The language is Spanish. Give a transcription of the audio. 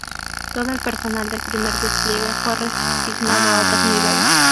Todo el personal del primer despliegue fue reasignado a otras unidades.